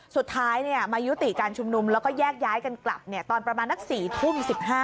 สุดท้ายมายุติการชุมนุมแล้วก็แยกย้ายกันกลับตอนประมาณนัก๔ทุ่ม๑๕